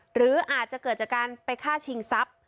หรืออาจจะเกิดจากการไปฆ่าชิงทรัพย์